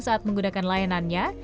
saat menggunakan layanannya